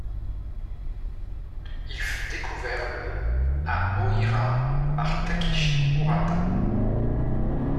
Il fut découvert le à Oohira par Takeshi Urata.